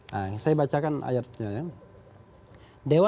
nah saya bacakan ayatnya ya